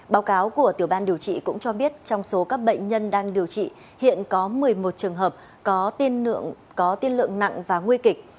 báo cáo của tiểu ban điều trị cũng cho biết trong số các bệnh nhân đang điều trị hiện có một mươi một trường hợp có tiên lượng nặng và nguy kịch